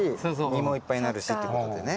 実もいっぱいなるしってことでね。